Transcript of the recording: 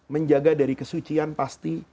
menjaga dari kesucian pasti